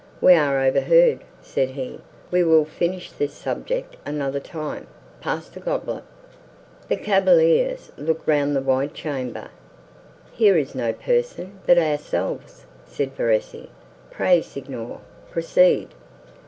"We are overheard," said he: "we will finish this subject another time. Pass the goblet." The cavaliers looked round the wide chamber. "Here is no person, but ourselves," said Verezzi: "pray, Signor, proceed."